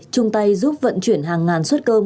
chung tay giúp vận chuyển hàng ngàn suất cơm